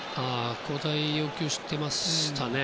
交代を要求してましたね。